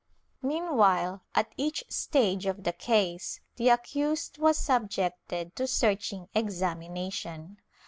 Meanwhile, at each stage of the case, the accused was sub jected to searching examination.